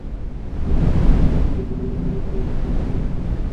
প্রথম তদন্ত কমিটি একটি প্রতিবেদন দিলেও পরে অধিকতর তদন্ত কমিটি গঠন করা হয়।